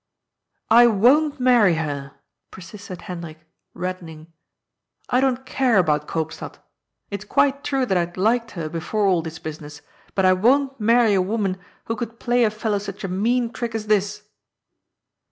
" I won't marry her," persisted Hendrik, reddening. " I don't care about Koopstad. It's quite true that I had liked her before all this business, but I won't marry a woman who could play a fellow such a mean trick as this."